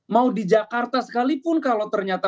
mau di jakarta sekalipun kalau ternyata